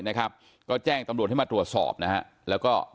เบรกกับชั้นชิดใช่ค่ะแล้วรถที่มาเร็วเร็วเขาจะเบรกได้ทัน